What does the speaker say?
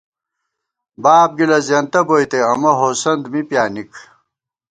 باب گِلہ زېنہ بوئیتے امہ ہوسند می پیانِک